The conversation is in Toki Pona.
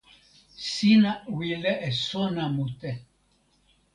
sina wile e sona mute.